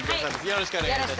よろしくお願いします。